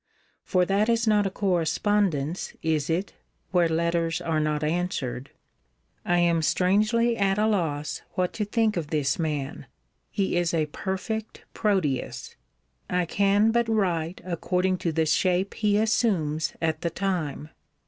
For that is not a correspondence (is it?) where letters are not answered. I am strangely at a loss what to think of this man. He is a perfect Proteus. I can but write according to the shape he assumes at the time.